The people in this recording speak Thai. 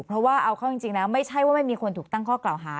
เพราะว่าเอาเข้าจริงแล้วไม่ใช่ว่าไม่มีคนถูกตั้งข้อกล่าวหา